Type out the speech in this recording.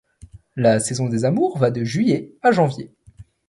La saison des amours va de juillet à janvier.